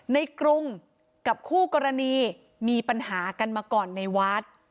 กรุงกับคู่กรณีมีปัญหากันมาก่อนในวัด